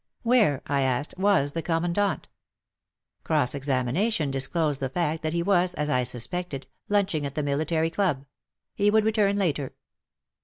'* Where," I asked, *' was the Commandant ?" Cross examination disclosed the fact that he was, as I suspected, lunching at the military club, — he would return later."